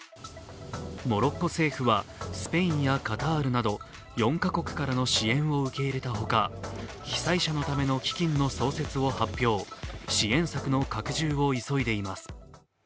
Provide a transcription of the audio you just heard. モロッコ政府はスペインやカタールなど４か国からの支援を受け入れたほか、被災者のための基金の創設を発表、支援策の拡充を急いでいます。